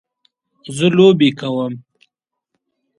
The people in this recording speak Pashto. زه لوبې کوم